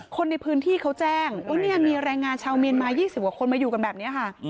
คนในพื้นที่เขาแจ้งว่ามีแรงงานชาวเมียนมา๒๐กว่าคนมาอยู่กันแบบนี้ค่ะ